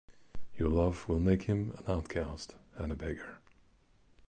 Your love will make him an outcast and a beggar.